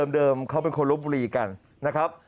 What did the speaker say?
เดิมเขาเป็นคนลบบุรีกันนะครับ